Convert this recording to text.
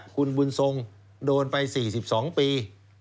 คุณบุญทรงโดนไป๔๒ปี